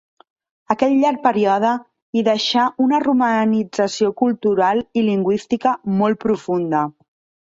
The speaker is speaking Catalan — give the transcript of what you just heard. Aquest llarg període hi deixà una romanització cultural i lingüística molt profunda.